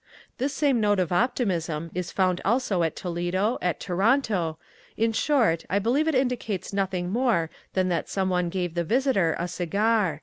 This same note of optimism is found also at Toledo, at Toronto in short, I believe it indicates nothing more than that some one gave the visitor a cigar.